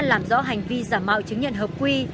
làm rõ hành vi giả mạo chứng nhận hợp quy